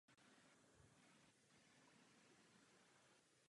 Milý Claude, co nejsrdečněji vám děkuji!